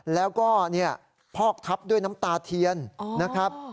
แล้วก็พอกทับด้วยน้ำตาเทียนนะครับ